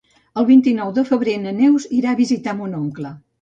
El vint-i-nou de febrer na Neus irà a visitar mon oncle.